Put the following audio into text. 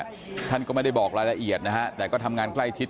กับใครบ้างท่านก็ไม่ได้บอกรายละเอียดแต่ก็ทำงานใกล้ชิด